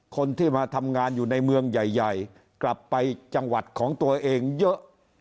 คนที่มาทำงานอยู่ในเมืองใหญ่กลับไปจังหวัดของตัวเองเยอะ